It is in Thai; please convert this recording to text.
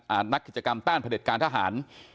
นักกิจกรรมต้านพระเด็จการทหาร